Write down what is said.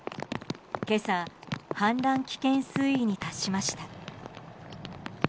今朝、氾濫危険水位に達しました。